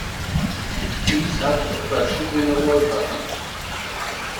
Dies hat verschiedene Ursachen.